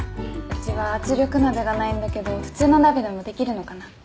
うちは圧力鍋がないんだけど普通の鍋でも出来るのかな？